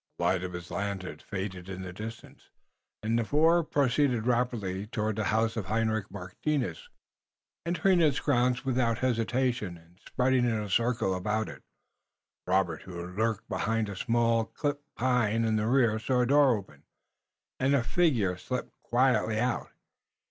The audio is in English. The light of his lantern faded in the distance, and the four proceeded rapidly towards the house of Hendrik Martinus, entering its grounds without hesitation and spreading in a circle about it. Robert, who lurked behind a small clipped pine in the rear saw a door open, and a figure slip quietly out.